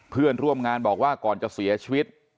เพื่อนร่วมงานบอกว่าก่อนจะเสียชีวิต